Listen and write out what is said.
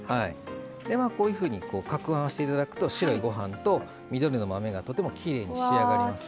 こういうふうにかくはんして頂くと白いご飯と緑の豆がとてもきれいに仕上がります。